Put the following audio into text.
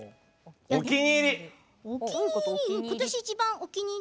お気に入り。